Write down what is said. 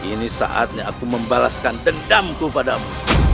hai ini saatnya aku membalaskan dendamku padamu